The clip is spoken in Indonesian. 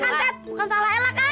ya kan pat bukan salah ella kan